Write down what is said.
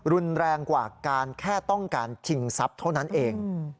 รุนแรงกว่าการแค่ต้องการชิงทรัพย์เท่านั้นเอง